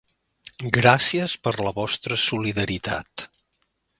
Gràcies per la vostra solidaritat.